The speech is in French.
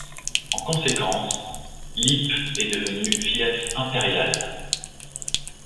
En conséquence, Lippe est devenu fief impérial.